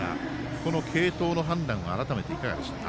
この継投の判断は改めていかがでしたか？